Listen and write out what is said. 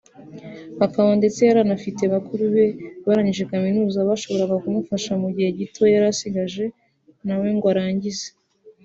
akaba ndetse yari anafite bakuru be barangije kaminuza bashoboraga kumufasha mu gihe gito yari asigaje nawe ngo arangize